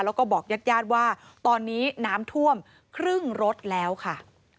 แล้วก็บอกญาติญาติว่าตอนนี้น้ำท่วมครึ่งรถแล้วค่ะ